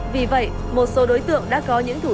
vì vậy một số đối tượng đã có những thủ